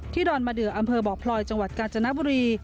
ดอนมะเดืออำเภอบ่อพลอยจังหวัดกาญจนบุรี